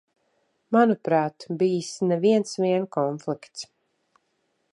Manuprāt, bijis ne viens vien konflikts.